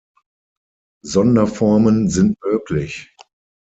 Sonderformen sind möglich.